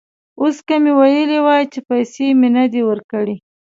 اوس که مې ویلي وای چې پیسې مې نه دي ورکړي.